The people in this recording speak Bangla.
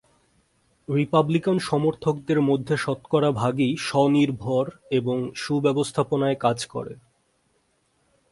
রিপাবলিকান সমর্থকদের মধ্যে শতকরা ভাগই স্ব-নির্ভর এবং সু-ব্যবস্থাপনায় কাজ করে।